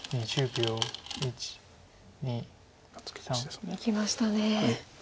いきましたね。